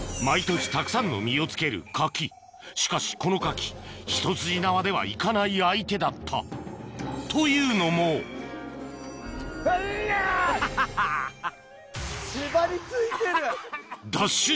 毎年たくさんの実をつける柿しかしこの柿ひと筋縄ではいかない相手だったというのもハハハハッ。